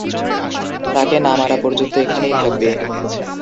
তাকে না মারা পর্যন্ত এখানেই থাকবে।